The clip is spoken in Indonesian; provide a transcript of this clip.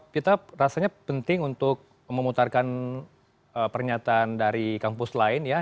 kita rasanya penting untuk memutarkan pernyataan dari kampus lain ya